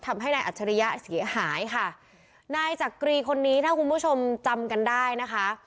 ทำให้นายอัจฉริยะเสียหายค่ะ